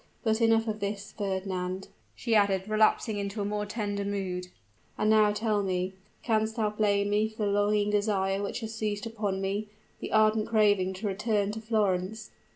But enough of this, Fernand," she added, relapsing into a more tender mood. "And now tell me canst thou blame me for the longing desire which has seized upon me the ardent craving to return to Florence?"